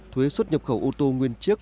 thuế xuất nhập khẩu ô tô nguyên chiếc